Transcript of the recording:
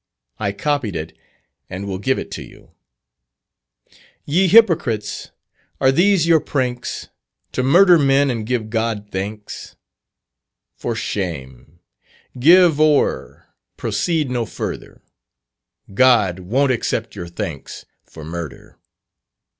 I copied it and will give it to you: "Ye hypocrites! are these your pranks, To murder men and give God thanks? For shame! give o'er, proceed no further, God won't accept your thanks for murder."